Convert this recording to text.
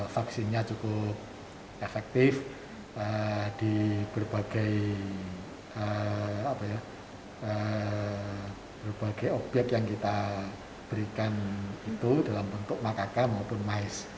vaksinnya cukup efektif di berbagai obyek yang kita berikan itu dalam bentuk makaka maupun mais